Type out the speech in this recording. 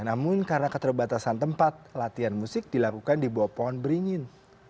namun karena keterbatasan tempat latihan musik dilakukan di bawah pohon beringin